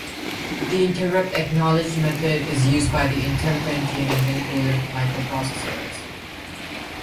The interrupt acknowledge method is used by the Intel Pentium and many older microprocessors.